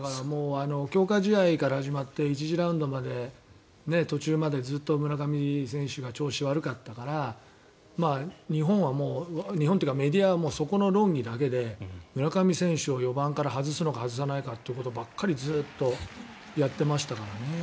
強化試合から始まって１次ラウンド途中までずっと村上選手が調子が悪かったから日本というかメディアはそこの論議だけで村上選手を４番から外すのか外さないかということばかりずっとやってましたからね。